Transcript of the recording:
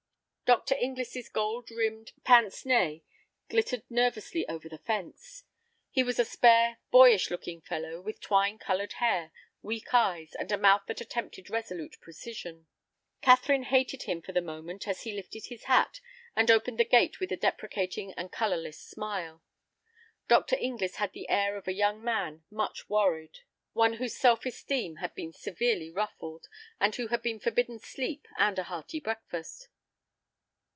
Dr. Inglis's gold rimmed pince nez glittered nervously over the fence. He was a spare, boyish looking fellow, with twine colored hair, weak eyes, and a mouth that attempted resolute precision. Catherine hated him for the moment as he lifted his hat, and opened the gate with a deprecating and colorless smile. Dr. Inglis had the air of a young man much worried, one whose self esteem had been severely ruffled, and who had been forbidden sleep and a hearty breakfast.